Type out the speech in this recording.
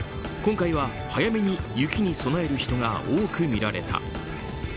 今回は早めに雪に備える人が多く見られた。